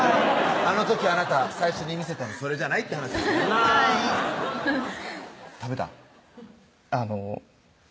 あの時あなた最初に見せたのそれじゃないって話やもんな食べたん？